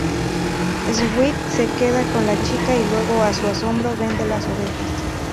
Sweet se queda con la chica, y luego, a su asombro, vende las ovejas.